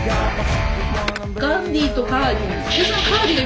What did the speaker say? ガンディとカーディー。